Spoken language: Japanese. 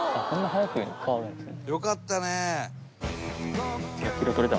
「よかったね！」